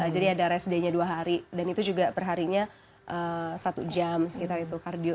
jadi ada rest day nya dua hari dan itu juga perharinya satu jam sekitar itu kardio